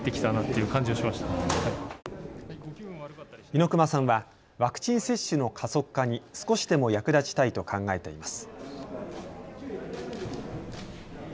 猪熊さんはワクチン接種の加速化に少しでも役立ちたいと考えています。